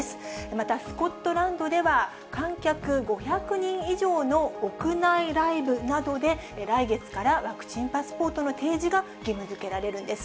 またスコットランドでは、観客５００人以上の屋内ライブなどで、来月からワクチンパスポートの提示が義務づけられるんです。